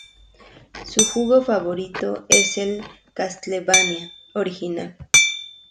Su juego favorito es el "Castlevania" original.